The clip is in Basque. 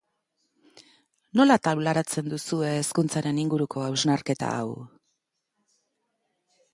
Nola taularatzen duzue hezkuntzaren inguruko hausnarketa hau?